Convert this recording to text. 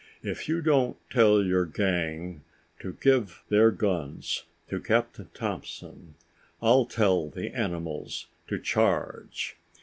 "If you don't tell your gang to give their guns to Captain Thompson, I'll tell the animals to charge.